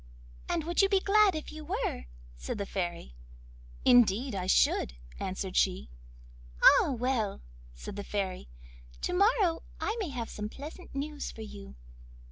'And would you be glad if you were?' said the Fairy. 'Indeed I should,' answered she. 'Ah, well,' said the Fairy, 'to morrow I may have some pleasant news for you.